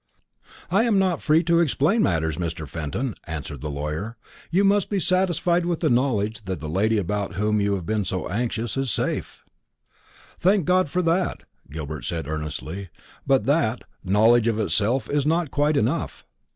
"I am not free to explain matters, Mr. Fenton," answered the lawyer; "you must be satisfied with the knowledge that the lady about whom you have been so anxious is safe." "I thank God for that," Gilbert said earnestly; "but that, knowledge of itself is not quite enough.